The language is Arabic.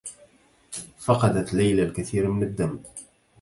فقدت ليلى الكثير من الدّم.